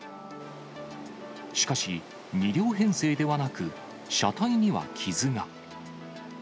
しかし、２両編成ではなく、車体には傷が。